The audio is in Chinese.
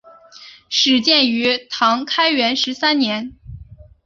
始建于唐开元十三年。